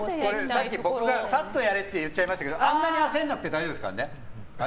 さっき僕がサッとやれって言いましたけどあんまり焦らなくて大丈夫ですからね。